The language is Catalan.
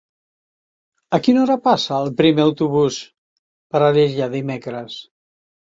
A quina hora passa el primer autobús per Alella dimecres?